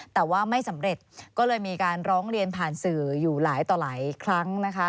แต่ว่าไม่สำเร็จก็เลยมีการร้องเรียนผ่านสื่ออยู่หลายต่อหลายครั้งนะคะ